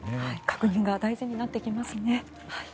確認が大事になってきますね。